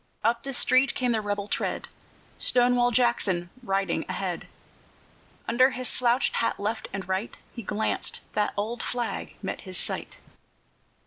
Up the street came the rebel tread, Stonewall Jackson riding ahead. Under his slouched hat left and right He glanced; the old flag met his sight.